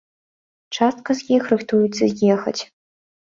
Частка з іх рыхтуюцца з'ехаць.